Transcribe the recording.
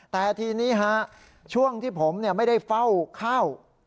แต่ทีนี้ฮะช่วงที่ผมไม่ได้เฝ้าข้าว